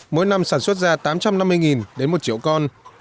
mỗi năm sản xuất ra tám trăm năm mươi đến một triệu con